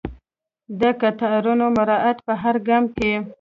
د قطارونو مراعات په هر ګام کې.